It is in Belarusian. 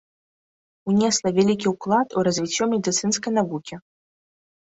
Унесла вялікі ўклад у развіццё медыцынскай навукі.